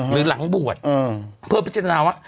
หรือหลังบัวเออเพื่อไปเจนาอน่ะ